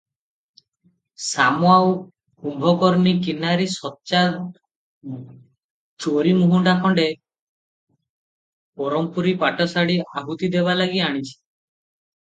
ଶାମ ସାଉ କୁମ୍ଭକର୍ଣ୍ଣୀ କିନାରି ସଚ୍ଚା ଜରିମୂହୁଣ୍ଡା ଖଣ୍ଡେ ବରମପୂରୀ ପାଟ ଶାଢ଼ୀ ଆହୁତି ଦେବାଲାଗି ଆଣିଛି ।